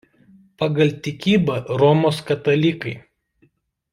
Pagal tikybą Romos katalikai.